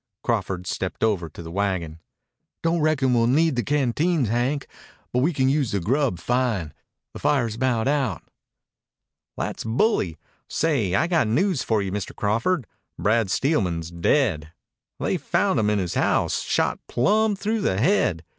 Crawford stepped over to the wagon. "Don't reckon we'll need the canteens, Hank, but we can use the grub fine. The fire's about out." "That's bully. Say, I got news for you, Mr. Crawford. Brad Steelman's dead. They found him in his house, shot plumb through the head.